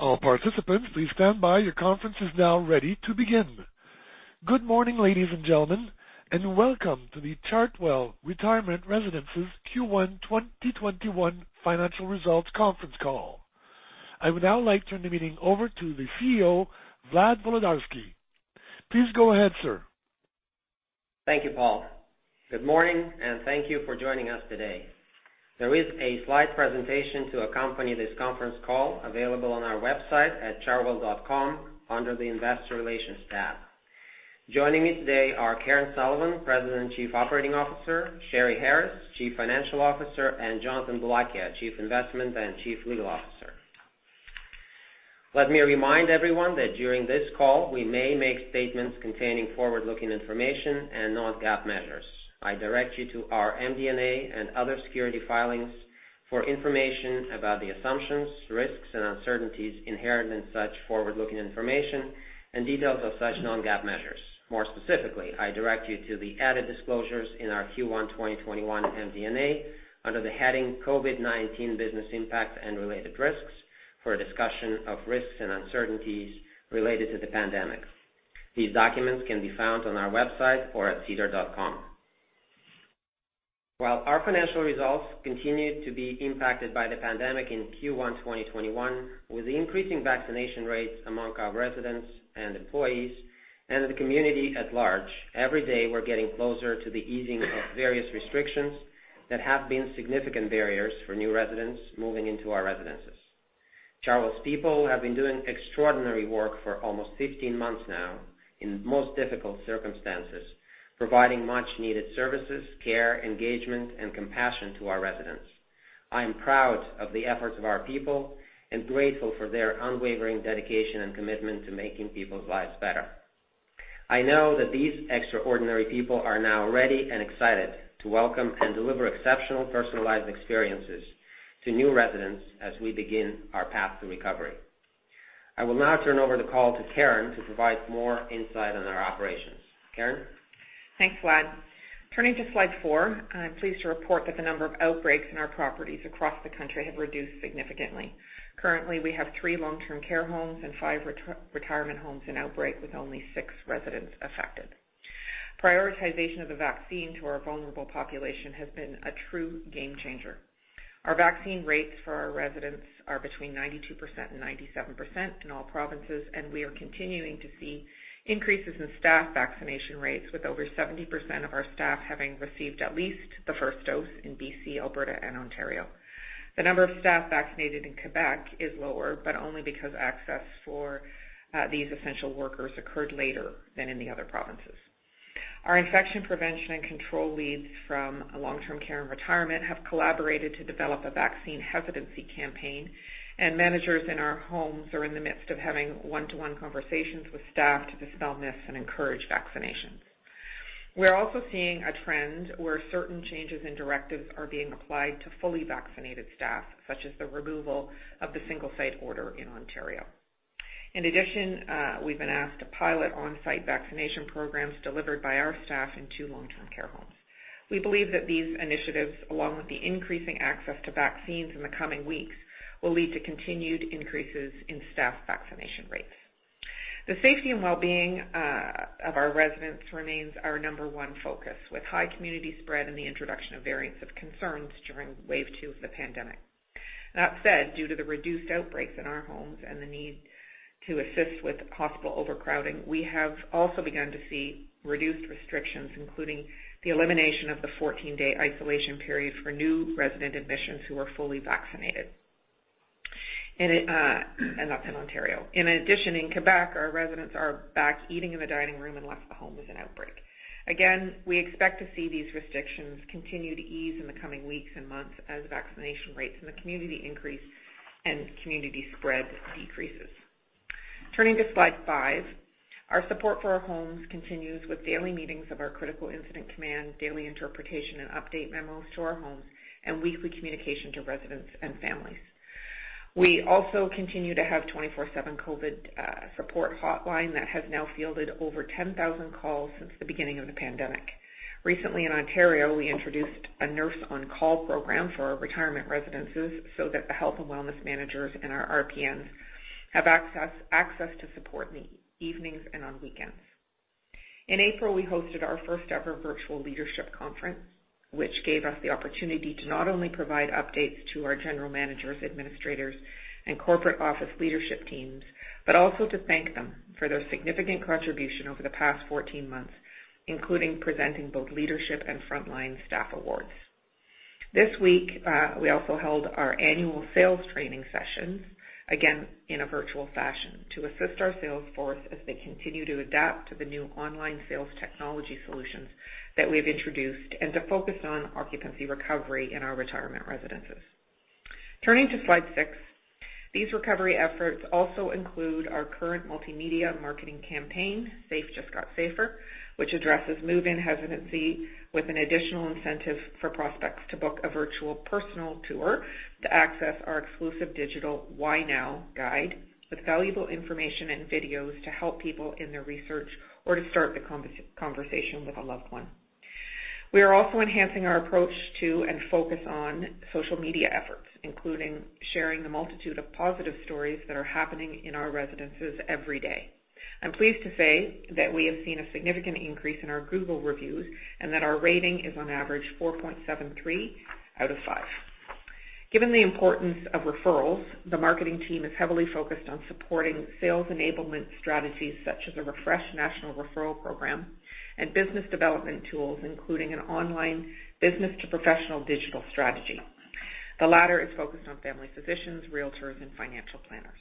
Good morning, ladies and gentlemen, welcome to the Chartwell Retirement Residences Q1 2021 financial results conference call. I would now like to turn the meeting over to the CEO, Vlad Volodarski. Please go ahead, sir. Thank you, Paul. Good morning, and thank you for joining us today. There is a slide presentation to accompany this conference call available on our website at chartwell.com under the investor relations tab. Joining me today are Karen Sullivan, President and Chief Operating Officer, Sheri Harris, Chief Financial Officer, and Jonathan Boulakia, Chief Investment and Chief Legal Officer. Let me remind everyone that during this call, we may make statements containing forward-looking information and non-GAAP measures. I direct you to our MD&A and other security filings for information about the assumptions, risks, and uncertainties inherent in such forward-looking information and details of such non-GAAP measures. More specifically, I direct you to the added disclosures in our Q1 2021 MD&A under the heading COVID-19 Business Impact and Related Risks for a discussion of risks and uncertainties related to the pandemic. These documents can be found on our website or at sedar.com. While our financial results continued to be impacted by the pandemic in Q1 2021, with increasing vaccination rates among our residents and employees and the community at large, every day, we're getting closer to the easing of various restrictions that have been significant barriers for new residents moving into our residences. Chartwell's people have been doing extraordinary work for almost 15 months now in the most difficult circumstances, providing much needed services, care, engagement, and compassion to our residents. I am proud of the efforts of our people and grateful for their unwavering dedication and commitment to making people's lives better. I know that these extraordinary people are now ready and excited to welcome and deliver exceptional personalized experiences to new residents as we begin our path to recovery. I will now turn over the call to Karen to provide more insight on our operations. Karen? Thanks, Vlad. Turning to slide four, I'm pleased to report that the number of outbreaks in our properties across the country have reduced significantly. Currently, we have three long-term care homes and five retirement homes in outbreak, with only six residents affected. Prioritization of the vaccine to our vulnerable population has been a true game changer. Our vaccine rates for our residents are between 92% and 97% in all provinces, and we are continuing to see increases in staff vaccination rates, with over 70% of our staff having received at least the first dose in BC, Alberta, and Ontario. The number of staff vaccinated in Quebec is lower, but only because access for these essential workers occurred later than in the other provinces. Our infection prevention and control leads from long-term care and retirement have collaborated to develop a vaccine hesitancy campaign, and managers in our homes are in the midst of having one-to-one conversations with staff to dispel myths and encourage vaccinations. We're also seeing a trend where certain changes in directives are being applied to fully vaccinated staff, such as the removal of the single site order in Ontario. In addition, we've been asked to pilot on-site vaccination programs delivered by our staff in two long-term care homes. We believe that these initiatives, along with the increasing access to vaccines in the coming weeks, will lead to continued increases in staff vaccination rates. The safety and wellbeing of our residents remains our number one focus, with high community spread and the introduction of variants of concern during wave two of the pandemic. That said, due to the reduced outbreaks in our homes and the need to assist with possible overcrowding, we have also begun to see reduced restrictions, including the elimination of the 14-day isolation period for new resident admissions who are fully vaccinated, and that's in Ontario. In addition, in Quebec, our residents are back eating in the dining room unless the home is in outbreak. Again, we expect to see these restrictions continue to ease in the coming weeks and months as vaccination rates in the community increase and community spread decreases. Turning to slide five, our support for our homes continues with daily meetings of our critical incident command, daily interpretation, and update memos to our homes, and weekly communication to residents and families. We also continue to have 24/7 COVID support hotline that has now fielded over 10,000 calls since the beginning of the pandemic. Recently in Ontario, we introduced a nurse on-call program for our retirement residences so that the health and wellness managers and our RPNs have access to support in the evenings and on weekends. In April, we hosted our first-ever virtual leadership conference, which gave us the opportunity to not only provide updates to our general managers, administrators, and corporate office leadership teams, but also to thank them for their significant contribution over the past 14 months, including presenting both leadership and frontline staff awards. This week, we also held our annual sales training sessions, again, in a virtual fashion to assist our sales force as they continue to adapt to the new online sales technology solutions that we've introduced and to focus on occupancy recovery in our retirement residences. Turning to slide six, these recovery efforts also include our current multimedia marketing campaign, Safe Just Got Safer, which addresses move-in hesitancy with an additional incentive for prospects to book a virtual personal tour to access our exclusive digital Why Now? Guide with valuable information and videos to help people in their research or to start the conversation with a loved one. We are also enhancing our approach to and focus on social media efforts, including sharing the multitude of positive stories that are happening in our residences every day. I am pleased to say that we have seen a significant increase in our Google reviews, and that our rating is on average 4.73 out of five. Given the importance of referrals, the marketing team is heavily focused on supporting sales enablement strategies such as a refreshed national referral program and business development tools, including an online business to professional digital strategy. The latter is focused on family physicians, realtors, and financial planners.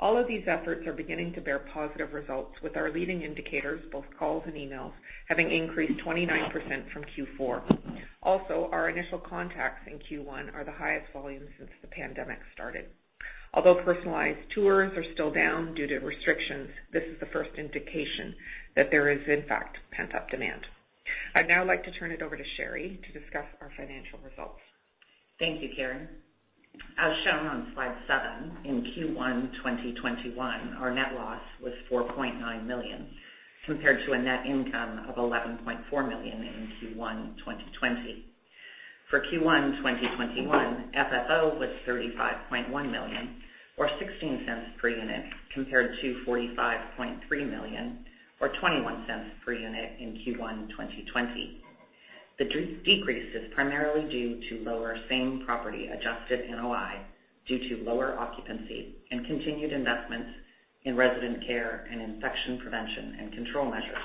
All of these efforts are beginning to bear positive results with our leading indicators, both calls and emails, having increased 29% from Q4. Our initial contacts in Q1 are the highest volume since the pandemic started. Although personalized tours are still down due to restrictions, this is the first indication that there is, in fact, pent-up demand. I'd now like to turn it over to Sheri to discuss our financial results. Thank you, Karen. As shown on slide seven, in Q1 2021, our net loss was 4.9 million, compared to a net income of 11.4 million in Q1 2020. For Q1 2021, FFO was 35.1 million or 0.16 per unit, compared to 45.3 million or 0.21 per unit in Q1 2020. The decrease is primarily due to lower same-property adjusted NOI due to lower occupancy and continued investments in resident care and infection prevention and control measures.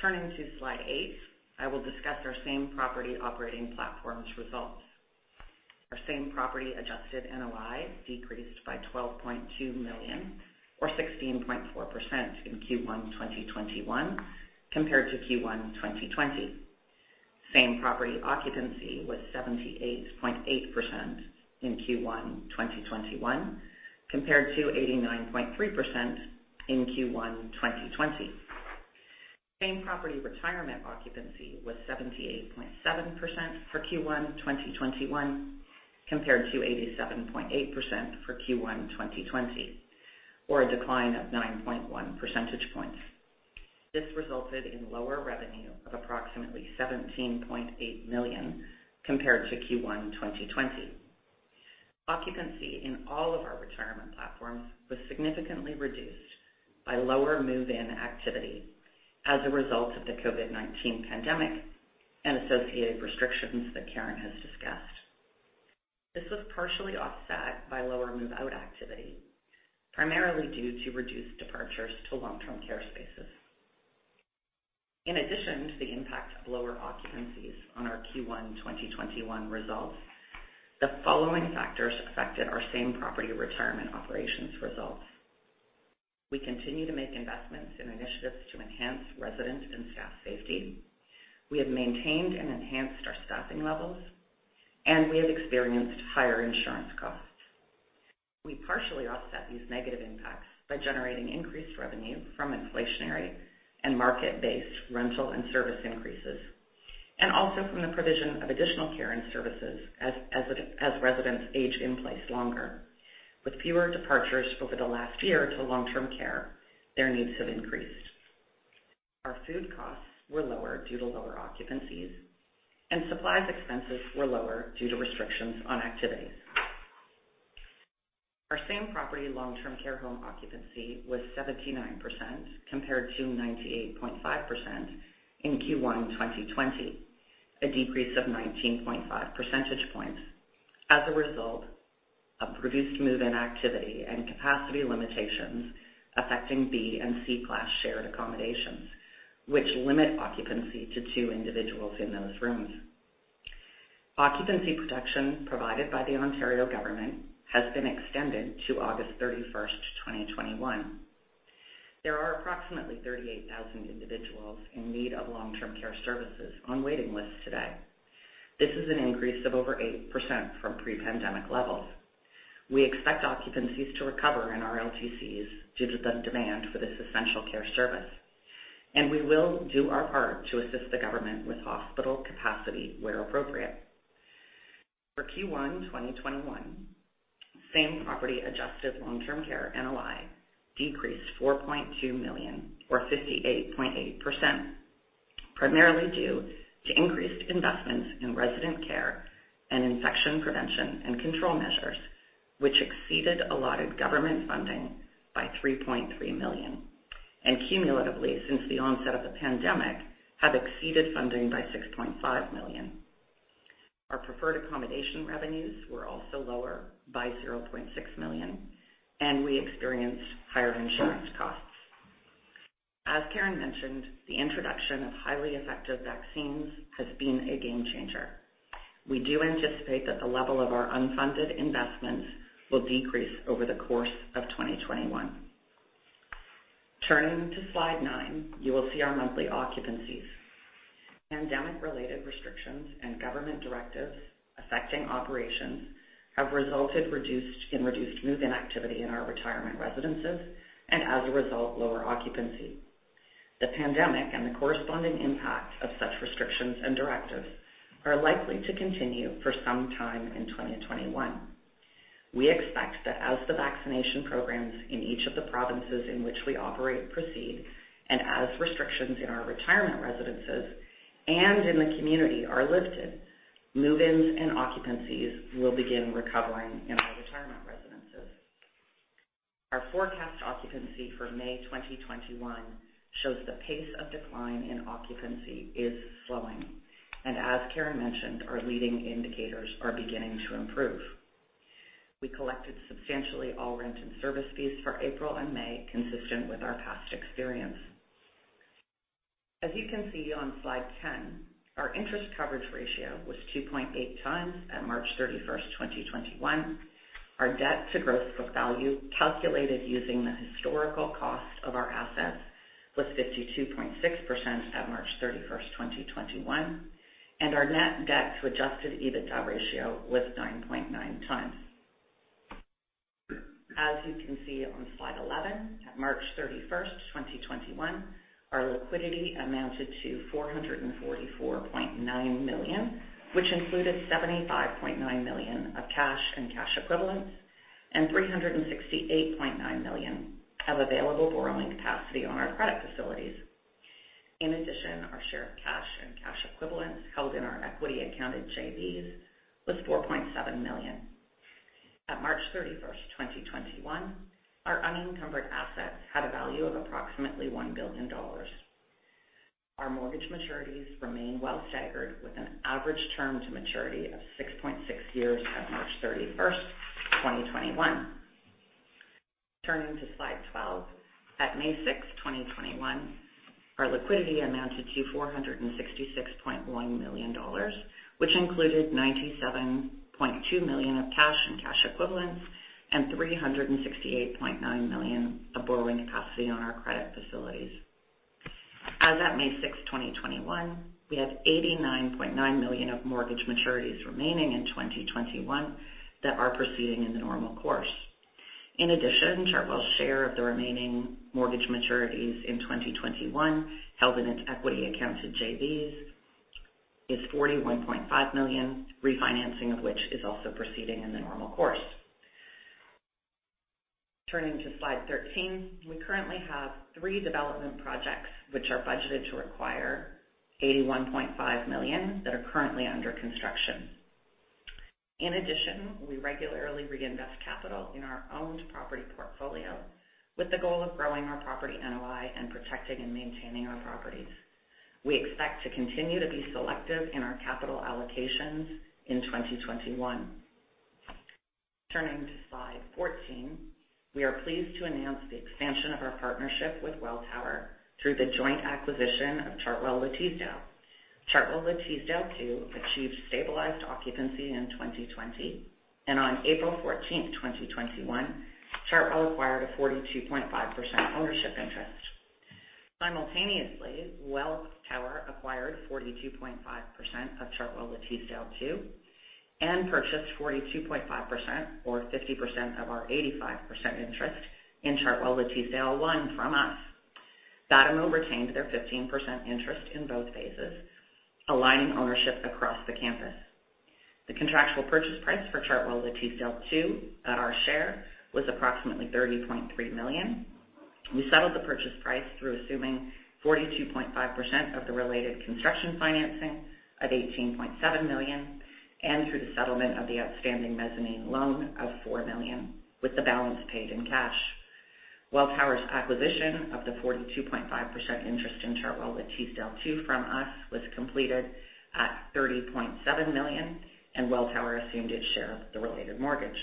Turning to slide eight, I will discuss our same-property operating platforms results. Our same-property adjusted NOI decreased by 12.2 million or 16.4% in Q1 2021 compared to Q1 2020. Same-property occupancy was 78.8% in Q1 2021 compared to 89.3% in Q1 2020. Same-property retirement occupancy was 78.7% for Q1 2021 compared to 87.8% for Q1 2020, or a decline of 9.1 percentage points. This resulted in lower revenue of approximately 17.8 million compared to Q1 2020. Occupancy in all of our retirement platforms was significantly reduced by lower move-in activity as a result of the COVID-19 pandemic and associated restrictions that Karen has discussed. This was partially offset by lower move-out activity, primarily due to reduced departures to long-term care spaces. In addition to the impact of lower occupancies on our Q1 2021 results, the following factors affected our same-property retirement operations results. We continue to make investments in initiatives to enhance resident and staff safety. We have maintained and enhanced our staffing levels, and we have experienced higher insurance costs. We partially offset these negative impacts by generating increased revenue from inflationary and market-based rental and service increases, and also from the provision of additional care and services as residents age in place longer. With fewer departures over the last year to long-term care, their needs have increased. Our food costs were lower due to lower occupancies, and supplies expenses were lower due to restrictions on activities. Our same-property long-term care home occupancy was 79% compared to 98.5% in Q1 2020, a decrease of 19.5 percentage points as a result of reduced move-in activity and capacity limitations affecting B and C class shared accommodations, which limit occupancy to two individuals in those rooms. Occupancy protection provided by the Ontario government has been extended to August 31st, 2021. There are approximately 38,000 individuals in need of long-term care services on waiting lists today. This is an increase of over 8% from pre-pandemic levels. We expect occupancies to recover in our LTCs due to the demand for this essential care service, and we will do our part to assist the government with hospital capacity where appropriate. For Q1 2021, same-property adjusted long-term care NOI decreased 4.2 million or 58.8%, primarily due to increased investments in resident care and infection prevention and control measures, which exceeded allotted government funding by 3.3 million, and cumulatively, since the onset of the pandemic, have exceeded funding by 6.5 million. Our preferred accommodation revenues were also lower by 0.6 million, and we experienced higher insurance costs. As Karen mentioned, the introduction of highly effective vaccines has been a game changer. We do anticipate that the level of our unfunded investments will decrease over the course of 2021. Turning to slide nine, you will see our monthly occupancies. Pandemic-related restrictions and government directives affecting operations have resulted in reduced move-in activity in our retirement residences, and as a result, lower occupancy. The pandemic and the corresponding impact of such restrictions and directives are likely to continue for some time in 2021. We expect that as the vaccination programs in each of the provinces in which we operate proceed, and as restrictions in our retirement residences and in the community are lifted, move-ins and occupancies will begin recovering in our retirement residences. Our forecast occupancy for May 2021 shows the pace of decline in occupancy is slowing, and as Karen mentioned, our leading indicators are beginning to improve. We collected substantially all rent and service fees for April and May, consistent with our past experience. As you can see on slide 10, our interest coverage ratio was 2.8 times at March 31st, 2021. Our debt to gross book value, calculated using the historical cost of our assets, was 52.6% at March 31st, 2021, and our net debt to adjusted EBITDA ratio was 9.9 times. As you can see on slide 11, at March 31st, 2021, our liquidity amounted to 444.9 million, which included 75.9 million of cash and cash equivalents and 368.9 million of available borrowing capacity on our credit facilities. In addition, our share of cash and cash equivalents held in our equity accounted JVs was 4.7 million. At March 31st, 2021, our unencumbered assets had a value of approximately 1 billion dollars. Our mortgage maturities remain well staggered, with an average term to maturity of 6.6 years at March 31st, 2021. Turning to slide 12, at May 6th, 2021, our liquidity amounted to 466.1 million dollars, which included 97.2 million of cash and cash equivalents and 368.9 million of borrowing capacity on our credit facilities. As at May 6th, 2021, we have 89.9 million of mortgage maturities remaining in 2021 that are proceeding in the normal course. In addition, Chartwell's share of the remaining mortgage maturities in 2021 held in its equity accounted JVs is 41.5 million, refinancing of which is also proceeding in the normal course. Turning to slide 13. We currently have three development projects which are budgeted to require 81.5 million that are currently under construction. In addition, we regularly reinvest capital in our owned property portfolio with the goal of growing our property NOI and protecting and maintaining our properties. We expect to continue to be selective in our capital allocations in 2021. Turning to slide 14. We are pleased to announce the expansion of our partnership with Welltower through the joint acquisition of Chartwell Le Teasdale. Chartwell Le Teasdale Phase II achieved stabilized occupancy in 2020, and on April 14th, 2021, Chartwell acquired a 42.5% ownership interest. Simultaneously, Welltower acquired 42.5% of Chartwell Le Teasdale Phase II and purchased 42.5%, or 50% of our 85% interest in Chartwell Le Teasdale Phase I from us. Batimo retains their 15% interest in both phases, aligning ownership across the campus. The contractual purchase price for Chartwell Le Teasdale Phase II at our share was approximately 30.3 million. We settled the purchase price through assuming 42.5% of the related construction financing at 18.7 million and through the settlement of the outstanding mezzanine loan of 4 million, with the balance paid in cash. Welltower's acquisition of the 42.5% interest in Chartwell Le Teasdale Phase II from us was completed at 30.7 million, and Welltower assumed its share of the related mortgage.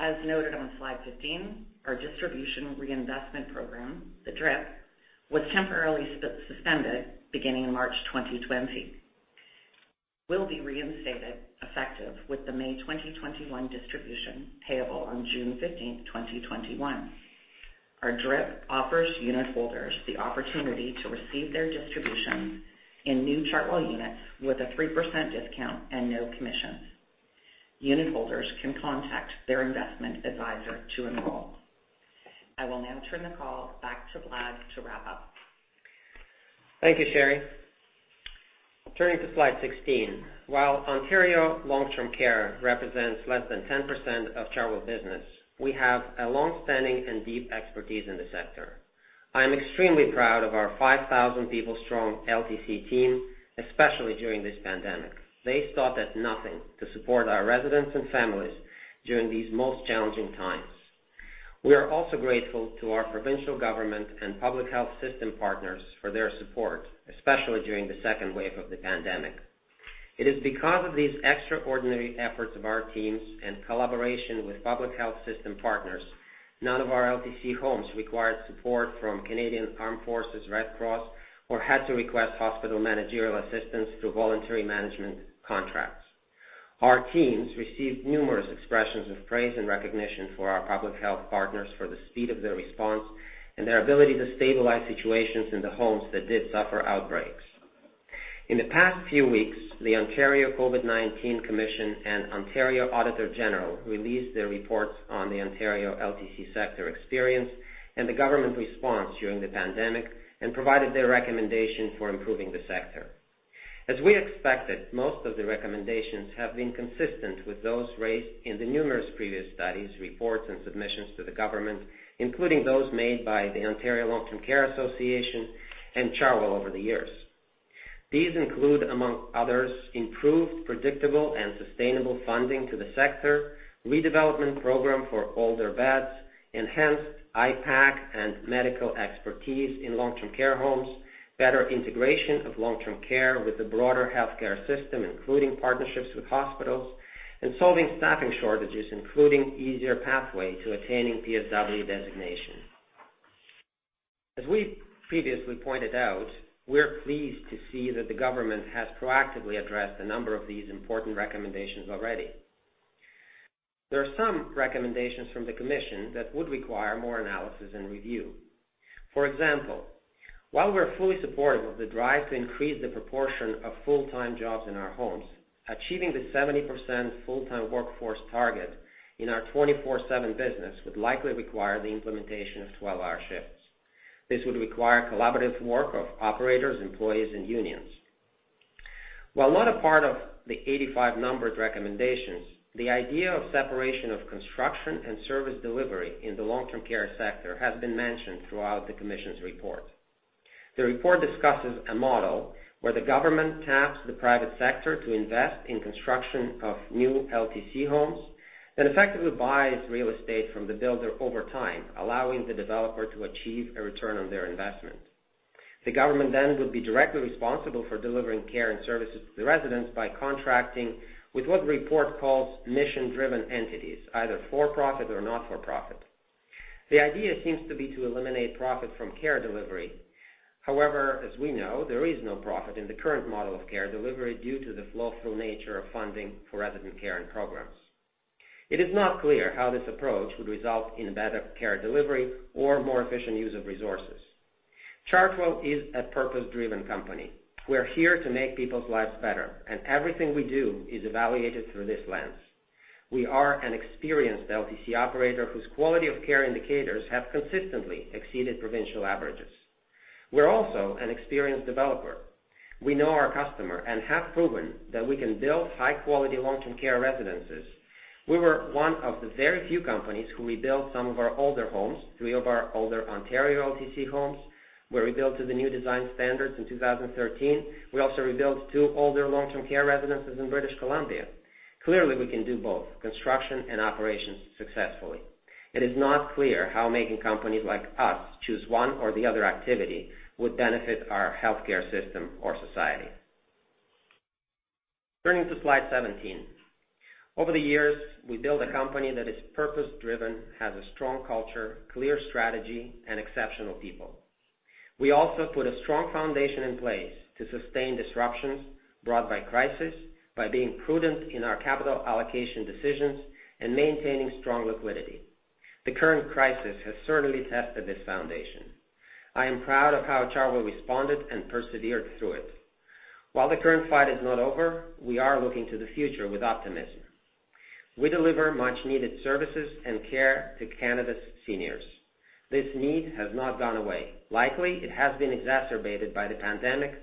As noted on slide 15, our distribution reinvestment program, the DRIP, was temporarily suspended beginning March 2020, will be reinstated effective with the May 2021 distribution payable on June 15th, 2021. Our DRIP offers unitholders the opportunity to receive their distributions in new Chartwell units with a 3% discount and no commission. Unitholders can contact their investment advisor to enroll. I will now turn the call back to Vlad to wrap up. Thank you, Sheri. Turning to slide 16. While Ontario long-term care represents less than 10% of Chartwell business, we have a longstanding and deep expertise in the sector. I'm extremely proud of our 5,000 people strong LTC team, especially during this pandemic. They stopped at nothing to support our residents and families during these most challenging times. We are also grateful to our provincial government and public health system partners for their support, especially during the second wave of the pandemic. It is because of these extraordinary efforts of our teams in collaboration with public health system partners, none of our LTC homes required support from Canadian Armed Forces, Red Cross, or had to request hospital managerial assistance through voluntary management contracts. Our teams received numerous expressions of praise and recognition for our public health partners for the speed of their response and their ability to stabilize situations in the homes that did suffer outbreaks. In the past few weeks, the Ontario's Long-Term Care COVID-19 Commission and Auditor General of Ontario released their reports on the Ontario LTC sector experience and the government's response during the pandemic and provided their recommendations for improving the sector. As we expected, most of the recommendations have been consistent with those raised in the numerous previous studies, reports, and submissions to the government, including those made by the Ontario Long Term Care Association and Chartwell over the years. These include, among others, improved, predictable, and sustainable funding to the sector, redevelopment program for older beds, enhanced IPAC and medical expertise in long-term care homes, better integration of long-term care with the broader healthcare system, including partnerships with hospitals, and solving staffing shortages, including easier pathway to attaining PSW designation. As we previously pointed out, we're pleased to see that the government has proactively addressed a number of these important recommendations already. There are some recommendations from the commission that would require more analysis and review. For example, while we're fully supportive of the drive to increase the proportion of full-time jobs in our homes, achieving the 70% full-time workforce target in our 24/7 business would likely require the implementation of 12-hour shifts. This would require collaborative work of operators, employees, and unions. While not a part of the 85 numbered recommendations, the idea of separation of construction and service delivery in the long-term care sector has been mentioned throughout the commission's report. The report discusses a model where the government taps the private sector to invest in construction of new LTC homes, then effectively buys real estate from the builder over time, allowing the developer to achieve a return on their investment. The government then would be directly responsible for delivering care and services to the residents by contracting with what the report calls mission-driven entities, either for-profit or not-for-profit. The idea seems to be to eliminate profit from care delivery. However, as we know, there is no profit in the current model of care delivery due to the flow-through nature of funding for resident care and programs. It is not clear how this approach would result in better care delivery or more efficient use of resources. Chartwell is a purpose-driven company. We're here to make people's lives better, and everything we do is evaluated through this lens. We are an experienced LTC operator whose quality-of-care indicators have consistently exceeded provincial averages. We're also an experienced developer. We know our customer and have proven that we can build high-quality long-term care residences. We were one of the very few companies who rebuilt some of our older homes, three of our older Ontario LTC homes were rebuilt to the new design standards in 2013. We also rebuilt two older long-term care residences in British Columbia. Clearly, we can do both construction and operations successfully. It is not clear how making companies like us choose one or the other activity would benefit our healthcare system or society. Turning to slide 17. Over the years, we built a company that is purpose-driven, has a strong culture, clear strategy, and exceptional people. We also put a strong foundation in place to sustain disruptions brought by crisis by being prudent in our capital allocation decisions and maintaining strong liquidity. The current crisis has certainly tested this foundation. I am proud of how Chartwell responded and persevered through it. While the current fight is not over, we are looking to the future with optimism. We deliver much needed services and care to Canada's seniors. This need has not gone away. Likely, it has been exacerbated by the pandemic,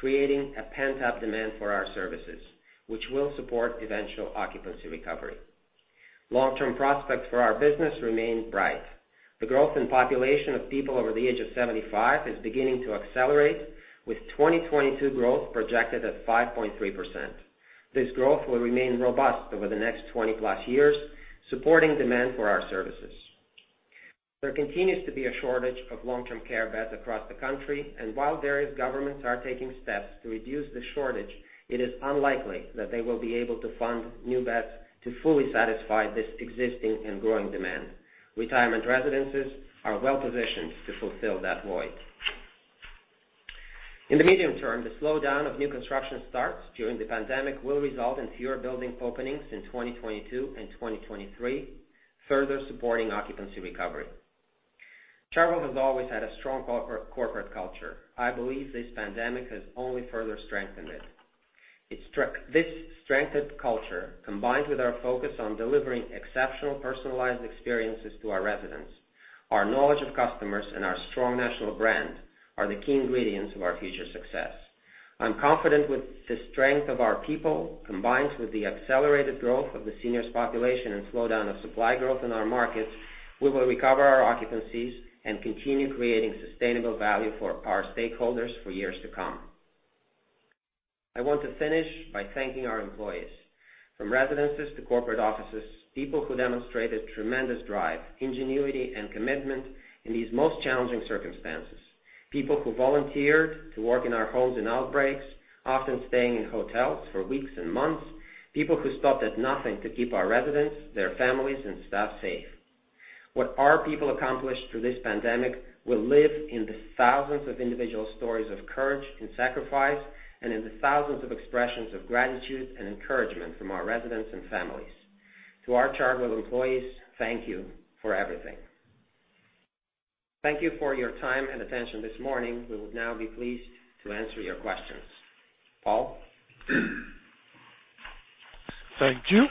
creating a pent-up demand for our services, which will support eventual occupancy recovery. Long-term prospects for our business remain bright. The growth in population of people over the age of 75 is beginning to accelerate, with 2022 growth projected at 5.3%. This growth will remain robust over the next 20-plus years, supporting demand for our services. There continues to be a shortage of long-term care beds across the country, and while various governments are taking steps to reduce the shortage, it is unlikely that they will be able to fund new beds to fully satisfy this existing and growing demand. Retirement residences are well-positioned to fulfill that void. In the medium term, the slowdown of new construction starts during the pandemic will result in fewer building openings in 2022 and 2023, further supporting occupancy recovery. Chartwell has always had a strong corporate culture. I believe this pandemic has only further strengthened it. This strengthened culture, combined with our focus on delivering exceptional personalized experiences to our residents, our knowledge of customers, and our strong national brand are the key ingredients of our future success. I'm confident with the strength of our people, combined with the accelerated growth of the seniors population and slowdown of supply growth in our markets, we will recover our occupancies and continue creating sustainable value for our stakeholders for years to come. I want to finish by thanking our employees. From residences to corporate offices, people who demonstrated tremendous drive, ingenuity, and commitment in these most challenging circumstances. People who volunteered to work in our homes in outbreaks, often staying in hotels for weeks and months. People who stopped at nothing to keep our residents, their families, and staff safe. What our people accomplished through this pandemic will live in the thousands of individual stories of courage and sacrifice and in the thousands of expressions of gratitude and encouragement from our residents and families. To our Chartwell employees, thank you for everything. Thank you for your time and attention this morning. We will now be pleased to answer your questions. Paul? Thank you.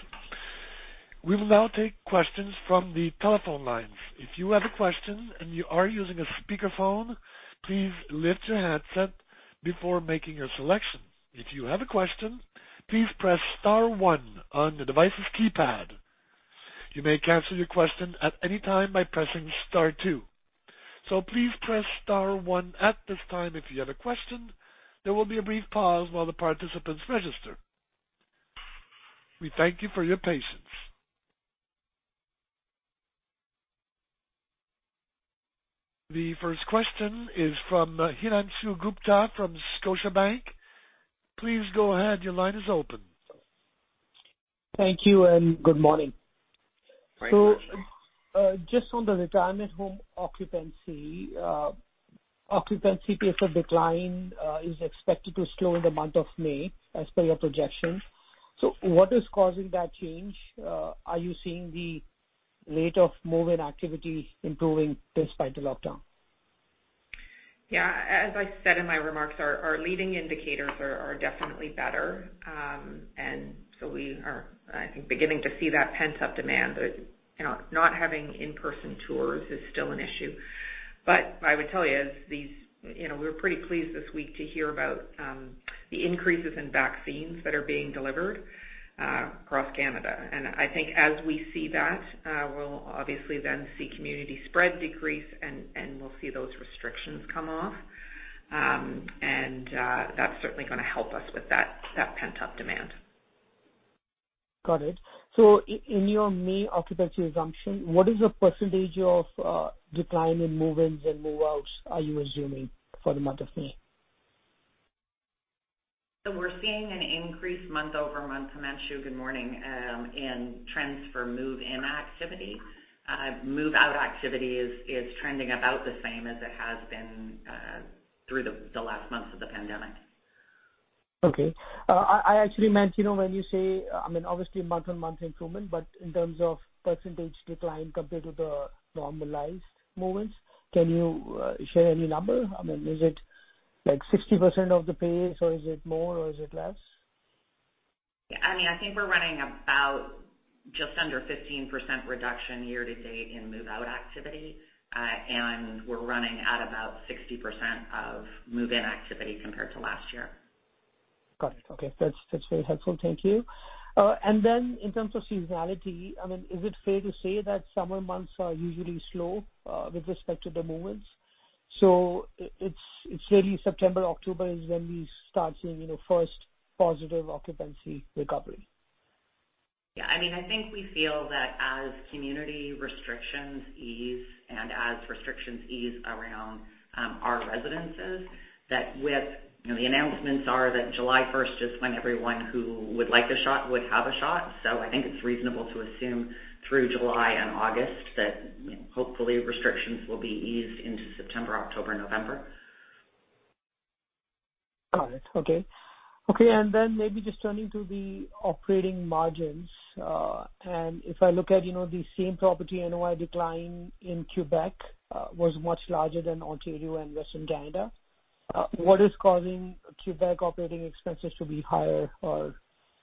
We will now take questions from the telephone lines. If you have a question and you are using a speakerphone, please lift your headset before making your selection. If you have a question, please press star one on your device's keypad. You may cancel your question at any time by pressing star two. Please press star one at this time if you have a question. There will be a brief pause while the participants register. We thank you for your patience. The first question is from Himanshu Gupta from Scotiabank. Please go ahead. Your line is open. Thank you, and good morning. Just on the retirement home occupancy. Occupancy pace of decline is expected to slow in the month of May, as per your projections. What is causing that change? Are you seeing the rate of move-in activity improving despite the lockdown? Yeah. As I said in my remarks, our leading indicators are definitely better. We are, I think, beginning to see that pent-up demand. Not having in-person tours is still an issue. I would tell you, we were pretty pleased this week to hear about the increases in vaccines that are being delivered across Canada. I think as we see that, we'll obviously then see community spread decrease and we'll see those restrictions come off. That's certainly going to help us with that pent-up demand. Got it. In your May occupancy assumption, what is the percentage decline in move-ins and move-outs are you assuming for the month of May? We're seeing an increase month-over-month, Himanshu, good morning, in trends for move-in activity. Move-out activity is trending about the same as it has been through the last months of the pandemic. Okay. I actually meant, obviously month-on-month improvement, but in terms of percentage decline compared to the normalized move-ins, can you share any number? Is it 60% of the pace or is it more or is it less? I think we're running about just under 15% reduction year-to-date in move-out activity. We're running at about 60% of move-in activity compared to last year. Got it. Okay. That's very helpful. Thank you. In terms of seasonality, is it fair to say that summer months are usually slow with respect to the move-ins? It's really September, October is when we start seeing first positive occupancy recovery. Yeah. I think we feel that as community restrictions ease and as restrictions ease around our residences, the announcements are that July 1st is when everyone who would like a shot would have a shot. I think it's reasonable to assume through July and August that hopefully restrictions will be eased into September, October, November. Got it. Okay. Okay. Maybe just turning to the operating margins. If I look at the same property NOI decline in Quebec was much larger than Ontario and Western Canada. What is causing Quebec operating expenses to be higher?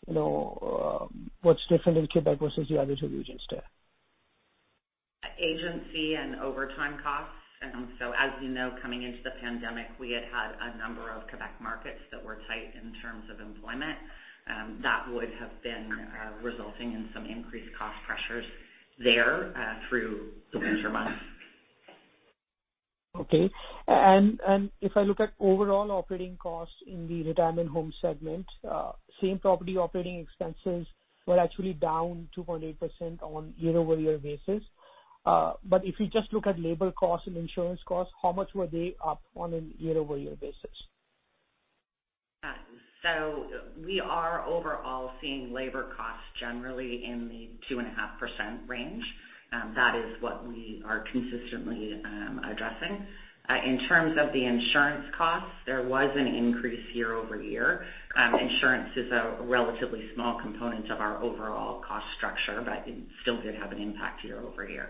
What's different in Quebec versus the other two regions there? Agency and overtime costs. As you know, coming into the pandemic, we had had a number of Quebec markets that were tight in terms of employment. That would have been resulting in some increased cost pressures there through the winter months. Okay. If I look at overall operating costs in the retirement home segment, same-property operating expenses were actually down 2.8% on year-over-year basis. If you just look at labor costs and insurance costs, how much were they up on an year-over-year basis? We are overall seeing labor costs generally in the 2.5% range. That is what we are consistently addressing. In terms of the insurance costs, there was an increase year-over-year. Insurance is a relatively small component of our overall cost structure, but it still did have an impact year-over-year.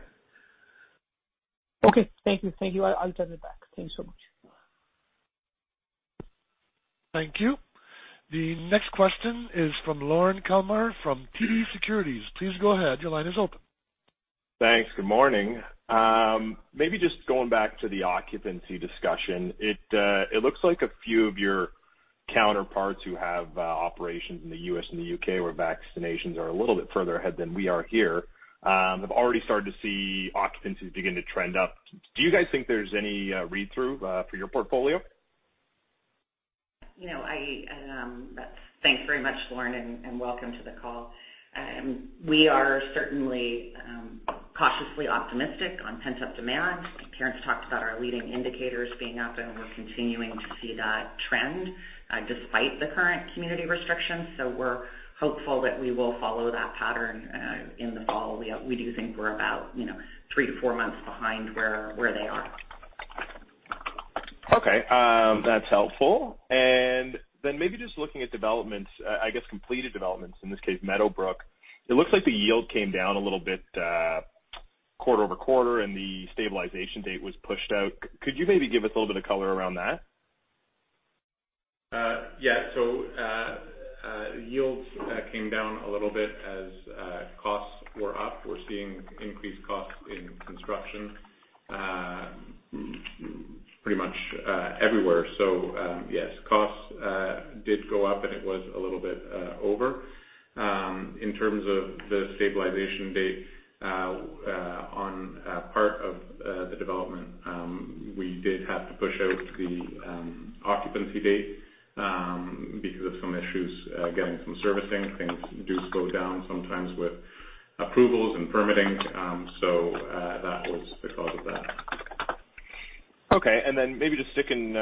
Okay. Thank you. I'll turn it back. Thank you so much. Thank you. The next question is from Lorne Kalmar from TD Securities. Please go ahead. Your line is open. Thanks. Good morning. Maybe just going back to the occupancy discussion. It looks like a few of your counterparts who have operations in the U.S. and the U.K., where vaccinations are a little bit further ahead than we are here, have already started to see occupancies begin to trend up. Do you guys think there's any read-through for your portfolio? Thanks very much, Lorne, and welcome to the call. We are certainly cautiously optimistic on pent-up demand. Karen's talked about our leading indicators being up, and we're continuing to see that trend despite the current community restrictions. We're hopeful that we will follow that pattern in the fall. We do think we're about three to four months behind where they are. Okay. That's helpful. Maybe just looking at developments, I guess completed developments, in this case, Chartwell Meadowbrook. It looks like the yield came down a little bit quarter-over-quarter, and the stabilization date was pushed out. Could you maybe give us a little bit of color around that? Yeah. Yields came down a little bit as costs were up. We're seeing increased costs in construction pretty much everywhere. Yes, costs did go up and it was a little bit over. In terms of the stabilization date on part of the development, we did have to push out the occupancy date because of some issues getting some servicing. Things do slow down sometimes with approvals and permitting, so that was the cause of that. Okay, maybe just sticking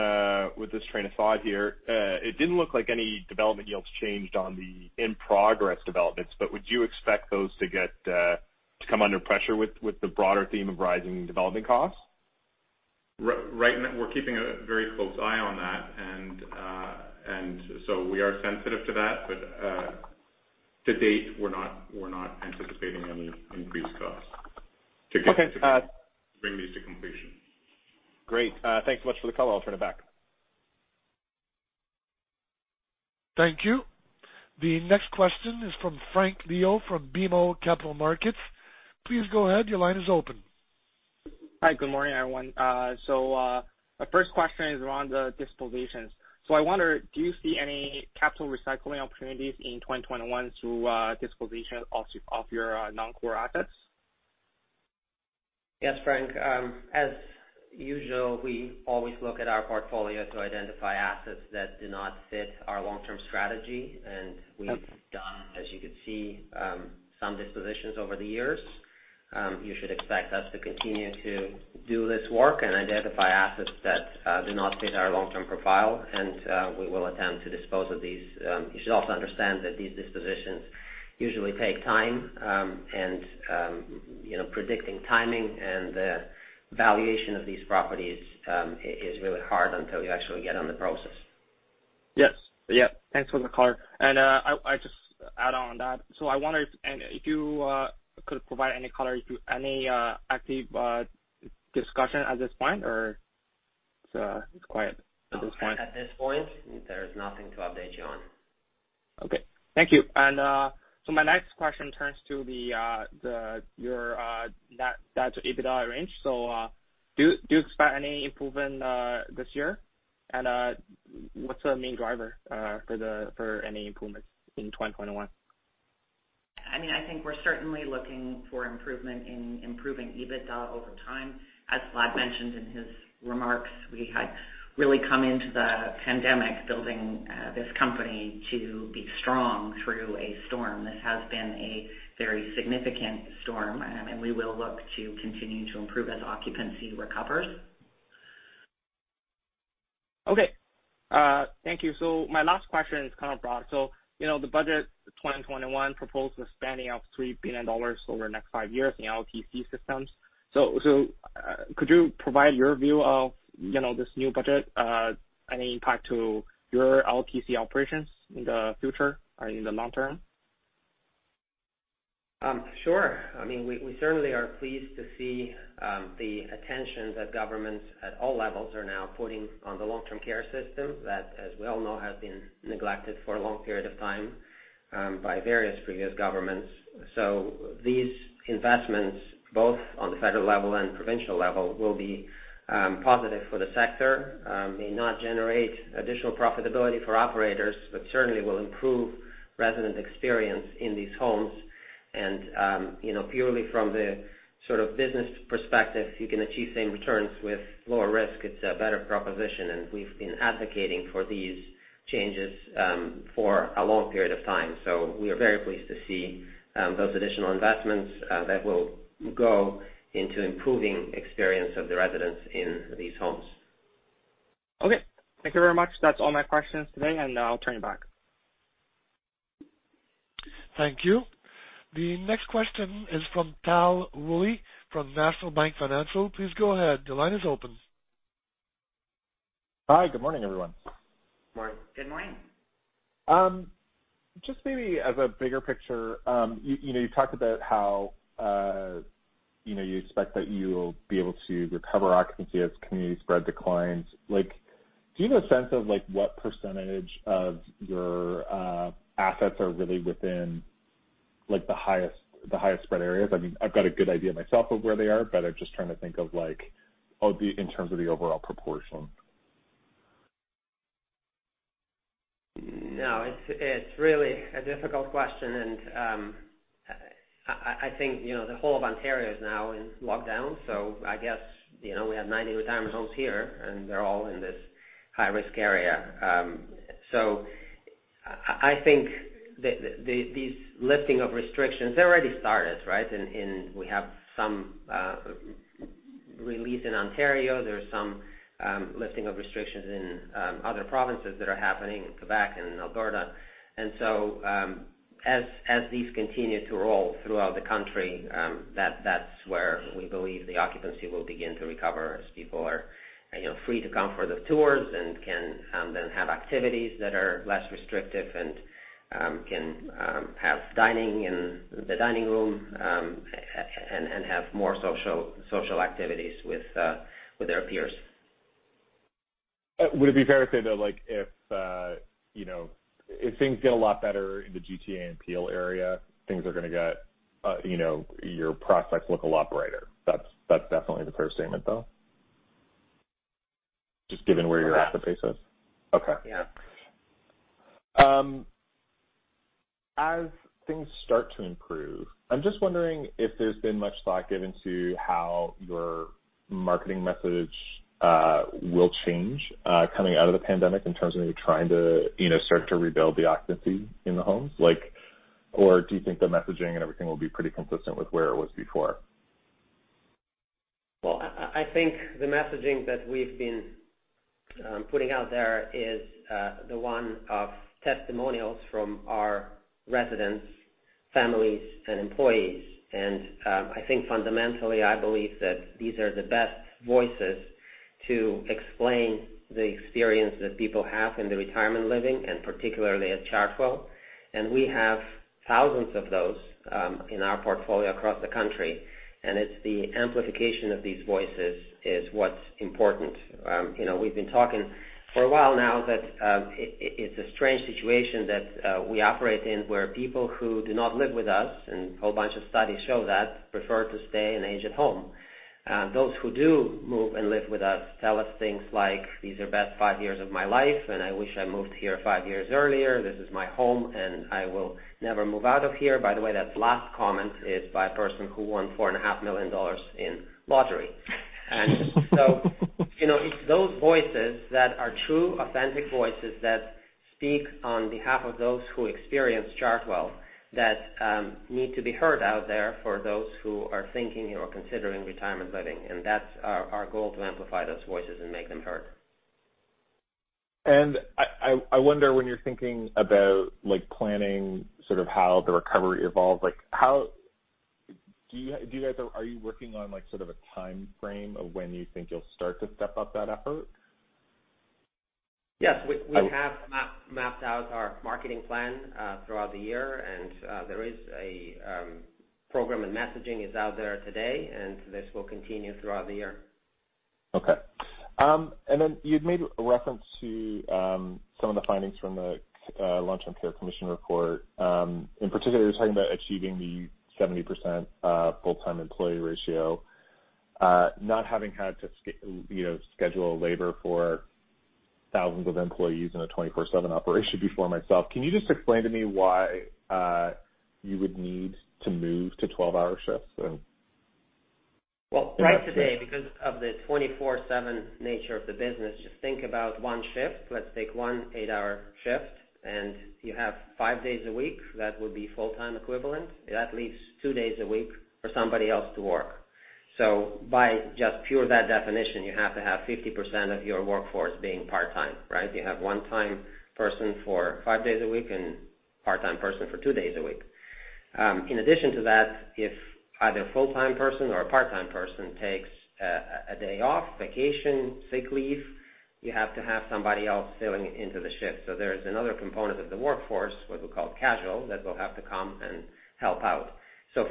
with this train of thought here. It didn't look like any development yields changed on the in-progress developments, would you expect those to come under pressure with the broader theme of rising development costs? Right. We're keeping a very close eye on that, and so we are sensitive to that. To date, we're not anticipating any increased costs. Okay. To bring these to completion. Great. Thanks so much for the color. I'll turn it back. Thank you. The next question is from Frank Liu from BMO Capital Markets. Please go ahead. Your line is open. Hi. Good morning, everyone. My first question is around the dispositions. I wonder, do you see any capital recycling opportunities in 2021 through disposition of your non-core assets? Yes, Frank. As usual, we always look at our portfolio to identify assets that do not fit our long-term strategy. We've done, as you could see, some dispositions over the years. You should expect us to continue to do this work and identify assets that do not fit our long-term profile, and we will attempt to dispose of these. You should also understand that these dispositions usually take time, and predicting timing and the valuation of these properties is really hard until you actually get on the process. Yes. Thanks for the color. I just add on that, I wonder if you could provide any color if you any active discussion at this point, or it's quiet at this point? At this point, there is nothing to update you on. Okay. Thank you. My next question turns to your net EBITDA range. Do you expect any improvement this year, and what's the main driver for any improvements in 2021? I think we're certainly looking for improvement in improving EBITDA over time. As Vlad mentioned in his remarks, we had really come into the pandemic building this company to be strong through a storm. This has been a very significant storm, and we will look to continue to improve as occupancy recovers. Okay. Thank you. My last question is kind of broad. The Budget 2021 proposed the spending of 3 billion dollars over the next five years in LTC systems. Could you provide your view of this new budget, any impact to your LTC operations in the future or in the long term? Sure. We certainly are pleased to see the attention that governments at all levels are now putting on the long-term care system that, as we all know, has been neglected for a long period of time by various previous governments. These investments, both on the federal level and provincial level, will be positive for the sector. May not generate additional profitability for operators, but certainly will improve resident experience in these homes. Purely from the sort of business perspective, you can achieve same returns with lower risk. It's a better proposition, and we've been advocating for these changes for a long period of time. We are very pleased to see those additional investments that will go into improving experience of the residents in these homes. Okay. Thank you very much. That's all my questions today, and I'll turn it back. Thank you. The next question is from Tal Woolley from National Bank Financial. Please go ahead. The line is open. Hi. Good morning, everyone. Morning. Good morning. Just maybe as a bigger picture, you talked about how you expect that you'll be able to recover occupancy as community spread declines. Do you have a sense of what percentage of your assets are really within the highest spread areas? I've got a good idea myself of where they are, but I'm just trying to think of in terms of the overall proportion. No, it's really a difficult question, and I think the whole of Ontario is now in lockdown. I guess, we have 90 retirement homes here, and they're all in this high-risk area. I think these lifting of restrictions, they already started, right? We have some relief in Ontario. There's some lifting of restrictions in other provinces that are happening in Quebec and Alberta. As these continue to roll throughout the country, that's where we believe the occupancy will begin to recover as people are free to come for the tours and can then have activities that are less restrictive and can have dining in the dining room, and have more social activities with their peers. Would it be fair to say, though, if things get a lot better in the GTA and Peel area, your prospects look a lot brighter? That's definitely the fair statement, though, just given where your asset base is? Yeah. Okay. As things start to improve, I'm just wondering if there's been much thought given to how your marketing message will change coming out of the pandemic in terms of maybe trying to start to rebuild the occupancy in the homes, or do you think the messaging and everything will be pretty consistent with where it was before? Well, I think the messaging that we've been putting out there is the one of testimonials from our residents, families, and employees. I think fundamentally, I believe that these are the best voices to explain the experience that people have in the retirement living, and particularly at Chartwell. We have thousands of those in our portfolio across the country, and it's the amplification of these voices is what's important. We've been talking for a while now that it's a strange situation that we operate in, where people who do not live with us, and a whole bunch of studies show that, prefer to stay and age at home. Those who do move and live with us tell us things like, "These are best five years of my life, and I wish I moved here five years earlier. This is my home, and I will never move out of here." That last comment is by a person who won 4.5 million dollars in lottery. It's those voices that are true, authentic voices that speak on behalf of those who experience Chartwell that need to be heard out there for those who are thinking or considering retirement living. That's our goal, to amplify those voices and make them heard. I wonder when you're thinking about planning sort of how the recovery evolves, are you working on a timeframe of when you think you'll start to step up that effort? Yes. We have mapped out our marketing plan throughout the year, and there is a program, and messaging is out there today, and this will continue throughout the year. Okay. You'd made a reference to some of the findings from the Long-Term Care Commission Report. In particular, you were talking about achieving the 70% full-time employee ratio. Not having had to schedule labor for thousands of employees in a 24/7 operation before myself, can you just explain to me why you would need to move to 12-hour shifts then? Well, right today, because of the 24/7 nature of the business, just think about one shift. Let's take one eight-hour shift, and you have five days a week. That would be full-time equivalent. That leaves two days a week for somebody else to work. By just pure that definition, you have to have 50% of your workforce being part-time, right? You have one time person for five days a week and part-time person for two days a week. In addition to that, if either a full-time person or a part-time person takes a day off, vacation, sick leave, you have to have somebody else filling into the shift. There is another component of the workforce, what we call casual, that will have to come and help out.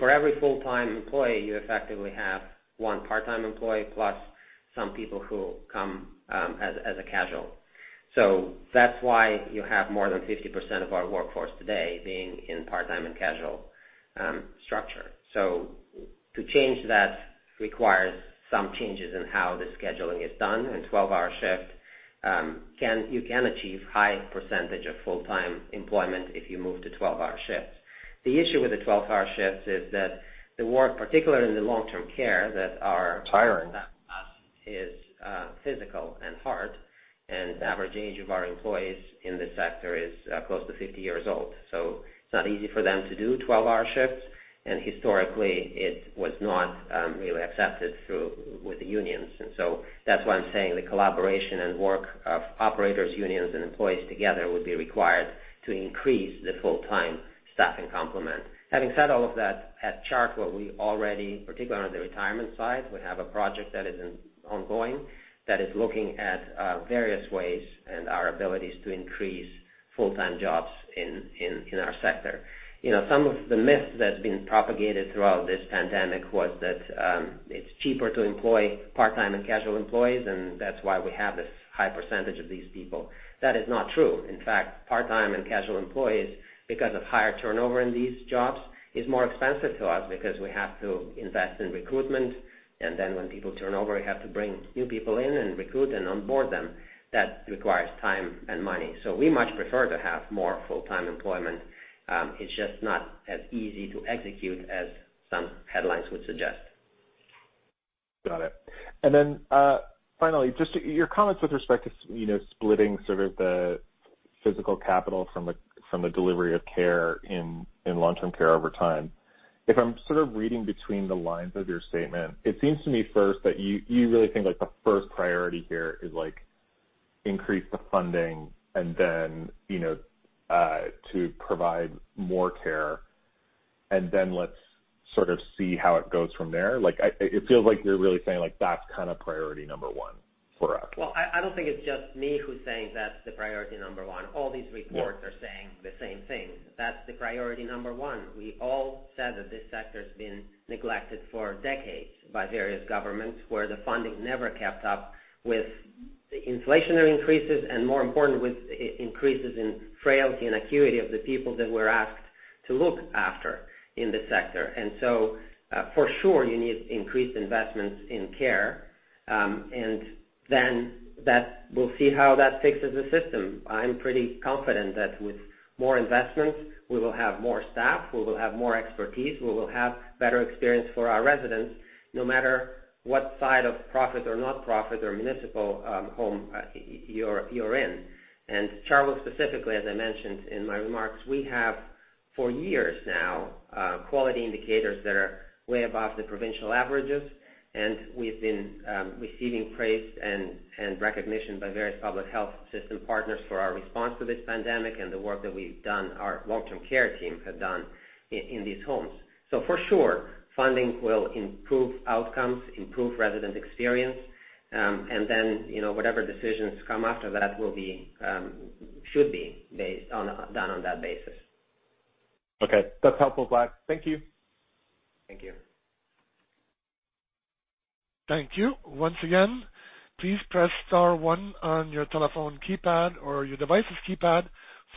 For every full-time employee, you effectively have one part-time employee plus some people who come as a casual. That's why you have more than 50% of our workforce today being in part-time and casual structure. To change that requires some changes in how the scheduling is done. You can achieve high percentage of full-time employment if you move to 12-hour shifts. The issue with the 12-hour shifts is that the work, particularly in the long-term care. Tiring. Is physical and hard, and the average age of our employees in this sector is close to 50 years old, so it's not easy for them to do 12-hour shifts. Historically, it was not really accepted with the unions. That's why I'm saying the collaboration and work of operators, unions, and employees together would be required to increase the full-time staffing complement. Having said all of that, at Chartwell, we already, particularly on the retirement side, we have a project that is ongoing that is looking at various ways and our abilities to increase full-time jobs in our sector. Some of the myths that's been propagated throughout this pandemic was that it's cheaper to employ part-time and casual employees, and that's why we have this high percentage of these people. That is not true. In fact, part-time and casual employees, because of higher turnover in these jobs, is more expensive to us because we have to invest in recruitment, and then when people turn over, we have to bring new people in and recruit and onboard them. That requires time and money. We much prefer to have more full-time employment. It's just not as easy to execute as some headlines would suggest. Got it. Finally, just your comments with respect to splitting sort of the physical capital from the delivery of care in long-term care over time. If I'm sort of reading between the lines of your statement, it seems to me first that you really think the first priority here is increase the funding, and then to provide more care, and then let's sort of see how it goes from there. It feels like you're really saying that's kind of priority number one for us. Well, I don't think it's just me who's saying that's the priority number one. All these reports are saying the same thing. That's the priority number one. We all said that this sector's been neglected for decades by various governments, where the funding never kept up with the inflationary increases, and more important, with increases in frailty and acuity of the people that we're asked to look after in the sector. For sure, you need increased investments in care. We'll see how that fixes the system. I'm pretty confident that with more investments, we will have more staff, we will have more expertise, we will have better experience for our residents, no matter what side of profit or nonprofit or municipal home you're in. Chartwell specifically, as I mentioned in my remarks, we have for years now, quality indicators that are way above the provincial averages, and we've been receiving praise and recognition by various public health system partners for our response to this pandemic and the work that we've done, our long-term care team have done in these homes. For sure, funding will improve outcomes, improve resident experience, and then whatever decisions come after that should be done on that basis. Okay. That's helpful, Vlad. Thank you. Thank you. Thank you. Once again, please press star one on your telephone keypad or your device's keypad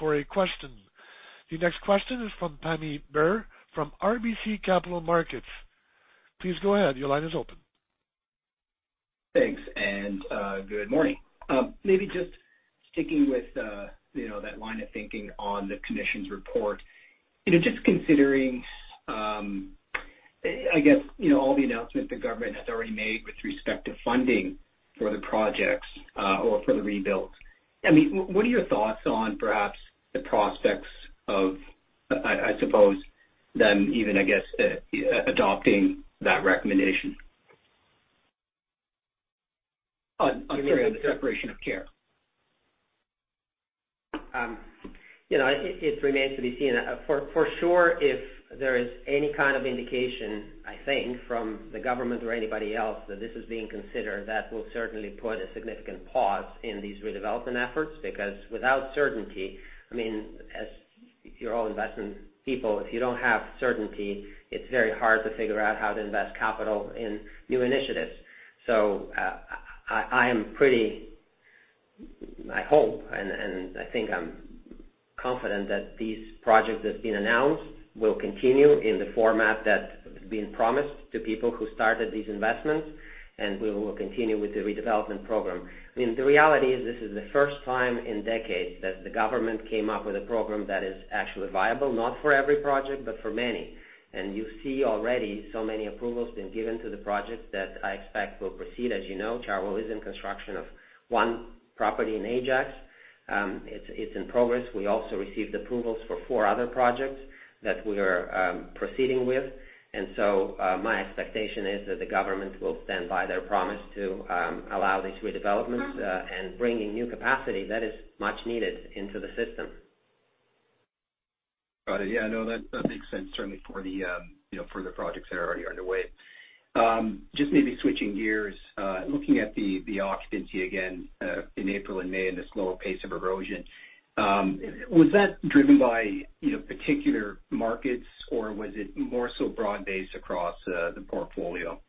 for a question. The next question is from Pammi Bir from RBC Capital Markets. Please go ahead. Your line is open. Thanks. Good morning. Maybe just sticking with that line of thinking on the commission's report. Just considering, I guess all the announcements the government has already made with respect to funding for the projects or for the rebuilds. What are your thoughts on perhaps the prospects of, I suppose, them even, I guess, adopting that recommendation on the separation of care? It remains to be seen. For sure, if there is any kind of indication, I think, from the government or anybody else that this is being considered, that will certainly put a significant pause in these redevelopment efforts, because without certainty, as you're all investment people, if you don't have certainty, it's very hard to figure out how to invest capital in new initiatives. I hope and I think I'm confident that these projects that's been announced will continue in the format that's been promised to people who started these investments, and we will continue with the redevelopment program. The reality is this is the first time in decades that the government came up with a program that is actually viable, not for every project, but for many. You see already so many approvals been given to the projects that I expect will proceed. As you know, Chartwell is in construction of one property in Ajax. It's in progress. We also received approvals for four other projects that we are proceeding with. My expectation is that the government will stand by their promise to allow these redevelopments, and bringing new capacity that is much needed into the system. Got it. Yeah, no, that makes sense, certainly for the projects that are already underway. Just maybe switching gears, looking at the occupancy again, in April and May and the slow pace of erosion. Was that driven by particular markets or was it more so broad-based across the portfolio?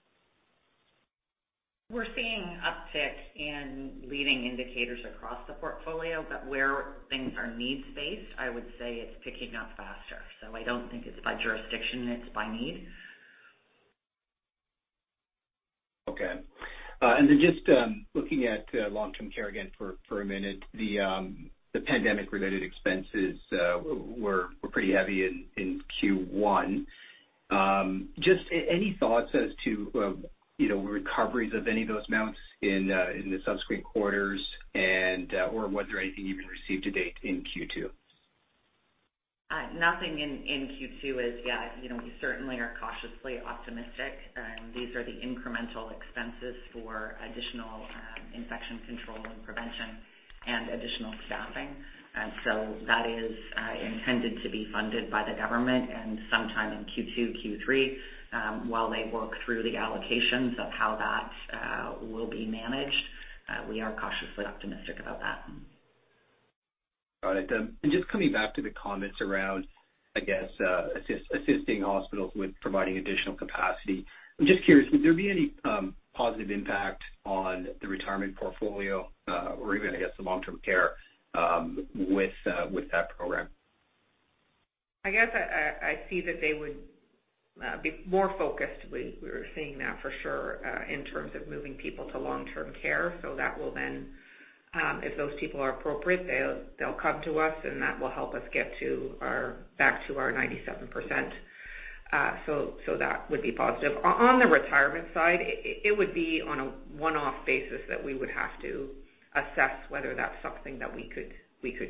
We're seeing uptick in leading indicators across the portfolio, but where things are needs-based, I would say it's ticking up faster. I don't think it's by jurisdiction, it's by need. Okay. Just looking at long-term care again for a minute. The pandemic-related expenses were pretty heavy in Q1. Any thoughts as to recoveries of any of those amounts in the subsequent quarters and/or was there anything you've received to date in Q2? Nothing in Q2 as yet. We certainly are cautiously optimistic. These are the incremental expenses for additional infection control and prevention and additional staffing. That is intended to be funded by the government and sometime in Q2, Q3, while they work through the allocations of how that will be managed. We are cautiously optimistic about that. All right. Just coming back to the comments around, I guess, assisting hospitals with providing additional capacity. I'm just curious, would there be any positive impact on the retirement portfolio or even, I guess, the long-term care with that program? I guess I see that they would be more focused. We're seeing that for sure, in terms of moving people to long-term care. That will then, if those people are appropriate, they'll come to us, and that will help us get back to our 97%. That would be positive. On the retirement side, it would be on a one-off basis that we would have to assess whether that's something that we could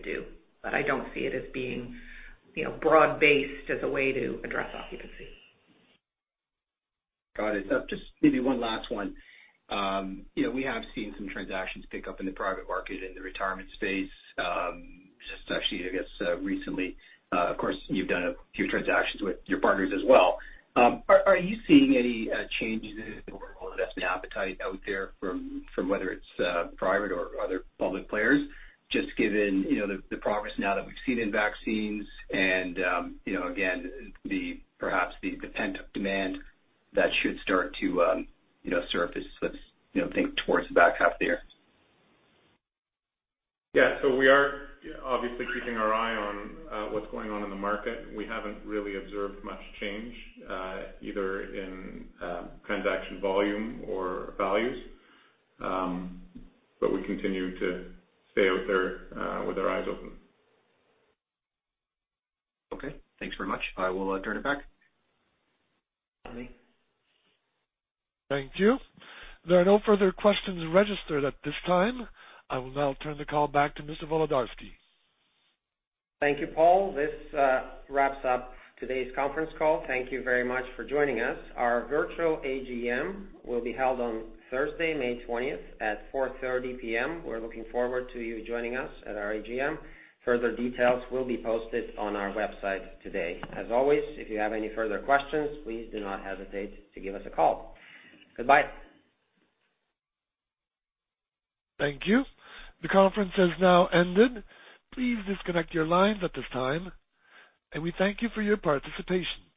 do. I don't see it as being broad-based as a way to address occupancy. Got it. Just maybe one last one. We have seen some transactions pick up in the private market in the retirement space. Just actually, I guess, recently, of course, you've done a few transactions with your partners as well. Are you seeing any changes in overall investment appetite out there from whether it's private or other public players, just given the progress now that we've seen in vaccines and again, perhaps the pent-up demand that should start to surface towards the back half of the year? Yeah. We are obviously keeping our eye on what's going on in the market. We haven't really observed much change, either in transaction volume or values. We continue to stay out there, with our eyes open. Okay. Thanks very much. I will turn it back. Thank you Pammi. Thank you. There are no further questions registered at this time. I will now turn the call back to Mr. Volodarski. Thank you, Paul. This wraps up today's conference call. Thank you very much for joining us. Our virtual AGM will be held on Thursday, May 20th at 4:30 P.M. We're looking forward to you joining us at our AGM. Further details will be posted on our website today. As always, if you have any further questions, please do not hesitate to give us a call. Goodbye. Thank you. The conference has now ended. Please disconnect your lines at this time, and we thank you for your participation.